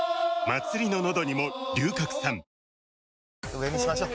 上にしましょう。